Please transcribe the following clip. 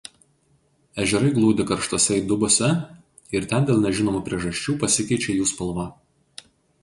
Ežerai glūdi karštose įdubose ir ten dėl nežinomų priežasčių pasikeičia jų spalva.